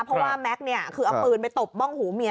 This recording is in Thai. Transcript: เพราะว่าแม็กซ์เนี่ยคือเอาปืนไปตบบ้องหูเมีย